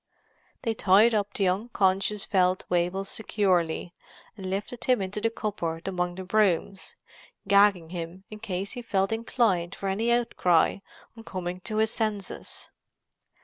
They tied up the unconscious Feldwebel securely, and lifted him into the cupboard among the brooms, gagging him in case he felt inclined for any outcry on coming to his senses.